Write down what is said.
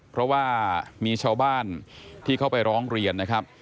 เพราะว่ามีชาวบ้านที่เขาไปร้องเรียนนะครับ